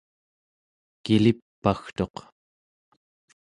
kilip'agtuq